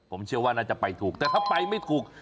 ผมเชื่อว่าน่าจะไปถูกแต่ถ้าไปไม่ถูก